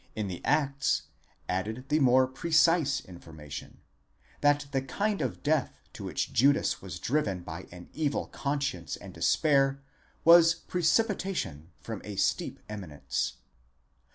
in the Acts added the more precise information, that the kind of death to which Judas was driven by an evil conscience and despair was precipitation from a steep eminence.